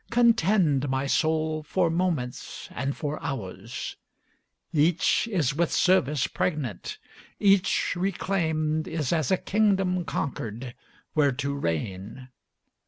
Contend, my soul, for moments and for hours; Each is with service pregnant; each reclaimed Is as a kingdom conquered, where to reign.